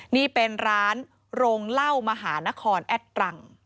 นี่เป็นร้านโรงเหล้ามหานครแอดตรัง